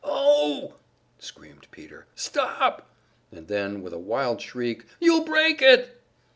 "Oh!" screamed Peter. "Stop!" And then, with a wild shriek, "You'll break it."